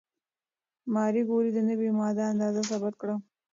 ماري کوري د نوې ماده اندازه ثبت کړه.